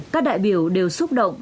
các đại biểu đều xúc động